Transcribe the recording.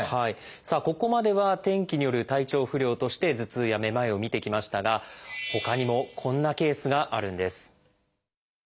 さあここまでは天気による体調不良として頭痛やめまいを見てきましたがほかにもこんなケースがあるんです。